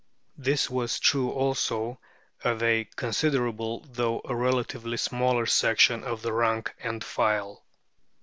This was true also of a considerable, though a relatively smaller, section of the rank and file.